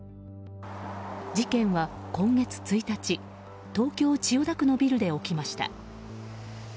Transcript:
事件は今月１日東京・千代田区のビルで起きました。